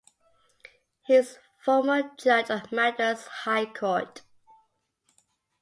He is former Judge of Madras High Court.